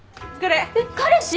えっ彼氏！？